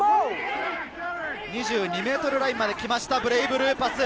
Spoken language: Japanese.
２２ｍラインまで来ました、ブレイブルーパス。